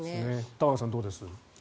玉川さん、どうですか。